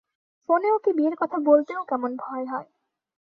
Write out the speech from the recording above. ফোনে ওকে বিয়ের কথা বলতেও কেমন ভয় হয়।